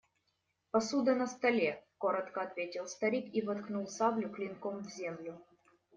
Посуда на столе, – коротко ответил старик и воткнул саблю клинком в землю.